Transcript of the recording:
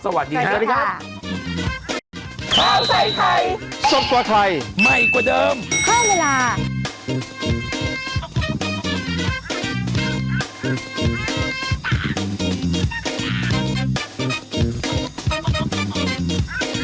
โปรดติดตามตอนต่อไป